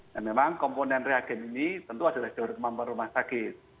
nah memang komponen reagen ini tentu adalah jalur kemampuan rumah sakit